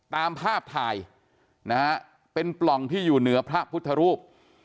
ตามภาพถ่ายนะฮะเป็นปล่องที่อยู่เหนือพระพุทธรูป